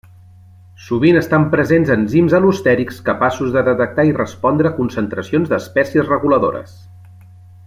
Sovint estan presents enzims al·lostèrics capaços de detectar i respondre a concentracions d'espècies reguladores.